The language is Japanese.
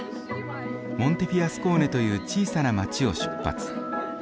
モンテフィアスコーネという小さな街を出発。